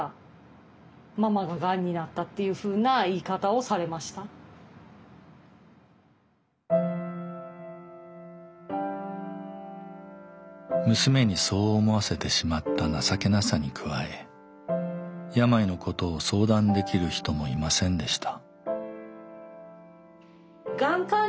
びっくりしたのは娘にそう思わせてしまった情けなさに加え病のことを相談できる人もいませんでした。